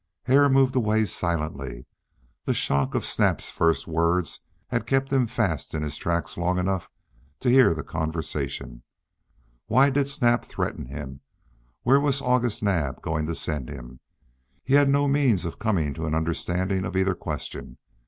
Hare moved away silently; the shock of Snap's first words had kept him fast in his tracks long enough to hear the conversation. Why did Snap threaten him? Where was August Naab going to send him? Hare had no means of coming to an understanding of either question.